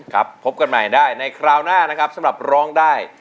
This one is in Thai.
พบกันใหม่ได้ในคราวหน้านะครับสำหรับร้องได้